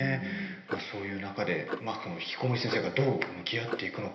そういう中でひきこもり先生がどう向き合っていくのか。